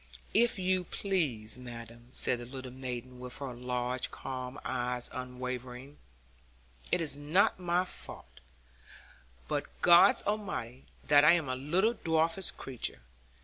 'If you please, madam,' said the little maiden, with her large calm eyes unwavering, 'it is not my fault, but God Almighty's, that I am a little dwarfish creature.